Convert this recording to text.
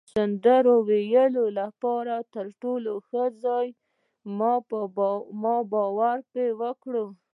د سندرو ویلو لپاره تر ټولو ښه ځای دی، په ما باور وکړئ.